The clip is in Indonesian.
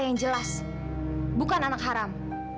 yang jelas bukan anak haram